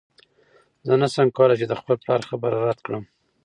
زه نشم کولی چې د خپل پلار خبره رد کړم.